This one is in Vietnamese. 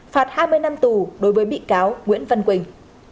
phạt hai mươi năm tù đối với bị cáo nguyễn văn quỳnh